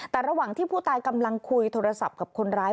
แต่ระหว่างที่ผู้ตายกำลังคุยโทรศัพท์กับคนร้าย